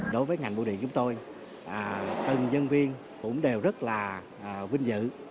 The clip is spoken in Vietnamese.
đối với ngành bưu điện chúng tôi từng nhân viên cũng đều rất là vinh dự